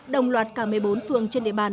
đồng loạt cả một mươi bốn phường trên địa bàn